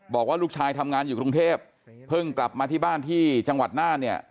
บอกว่าลูกชายทำงานอยู่กรุงเทพเพิ่งกลับมาที่บ้านที่จังหวัดน่านเนี่ย